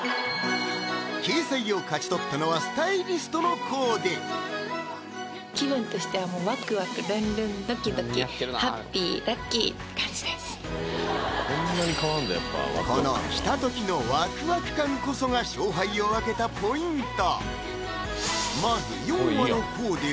掲載を勝ち取ったのはスタイリストのコーデ気分としてはもうこの着た時のワクワク感こそが勝敗を分けたポイント